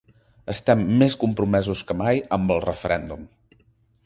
Estem més compromesos que mai amb el referèndum.